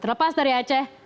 terlepas dari aceh